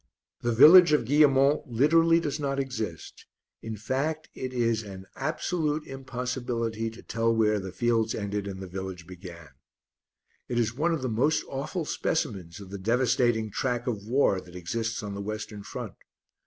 The village of Guillemont literally does not exist, in fact, it is an absolute impossibility to tell where the fields ended and the village began. It is one of the most awful specimens of the devastating track of war that exists on the Western Front.